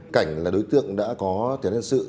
cảnh là đối tượng đã có tiến lên sự